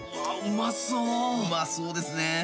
うまそうですね。